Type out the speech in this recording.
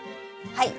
はい。